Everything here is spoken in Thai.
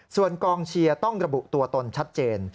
ส่วนกองเชียร์ต้องระบุตัวตนชัดเจน